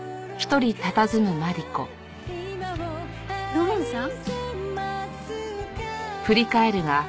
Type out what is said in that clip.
土門さん？